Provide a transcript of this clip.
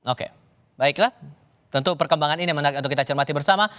oke baiklah tentu perkembangan ini menarik untuk kita cermati bersama